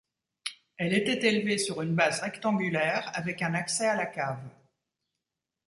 Elle était élevée sur une base rectangulaire, avec un accès à la cave.